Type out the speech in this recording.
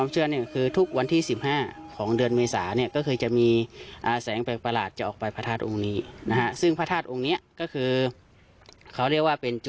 ซึ่งหลังจากการบูรณาซ่อมแสงเสร็จ